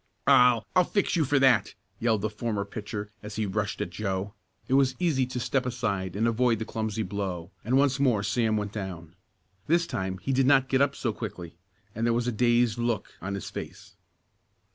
"I I'll fix you for that!" yelled the former pitcher as he rushed at Joe. It was easy to step aside and avoid the clumsy blow, and once more Sam went down. This time he did not get up so quickly, and there was a dazed look on his face.